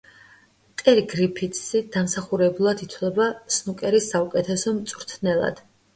ტერი გრიფითსი დამსახურებულად ითვლება სნუკერის საუკეთესო მწვრთნელად.